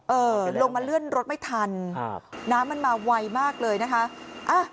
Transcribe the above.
ลงมาเลื่อนรถไม่ทันครับน้ำมันมาไวมากเลยนะคะ